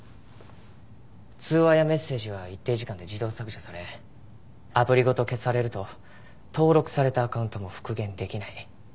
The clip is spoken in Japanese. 通話やメッセージは一定時間で自動削除されアプリごと消されると登録されたアカウントも復元できない。